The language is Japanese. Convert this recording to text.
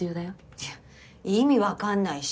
いや意味わかんないし。